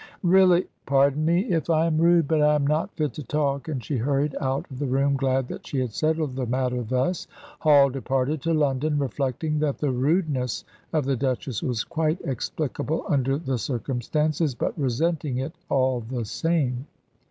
"Really " "Pardon me if I am rude, but I am not fit to talk"; and she hurried out of the room, glad that she had settled the matter thus. Hall departed to London, reflecting that the rudeness of the Duchess was quite explicable under the circumstances, but resenting it all the same.